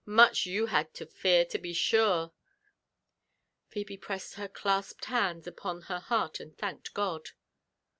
much you had to fear, to be sure 1" Phebe pressed her clasped bands upon her heart and thanked God.